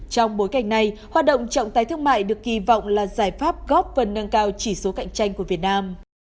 trong bối cảnh này hoạt động trọng tài thương mại được kỳ vọng là giải pháp góp phần nâng cao chỉ số cạnh tranh của việt nam